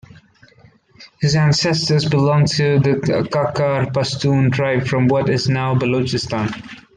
His ancestors belonged to the Kakar Pashtun tribe from what is now Balochistan.